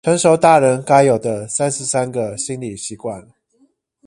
成熟大人該有的三十三個心理習慣